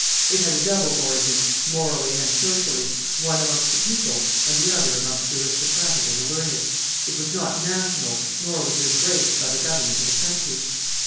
It had a double origin, morally and socially, one amongst the people and the other amongst the aristocratic and the learned; it was not national, nor was it embraced by the government of the country.